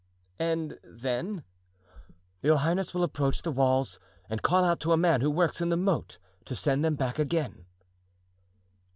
"And then?" "Your highness will approach the walls and call out to a man who works in the moat to send them back again."